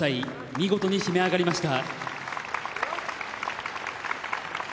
見事に締め上がりました。